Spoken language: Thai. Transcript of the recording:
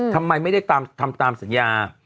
ทำไมไม่ได้ทำตามสัญญา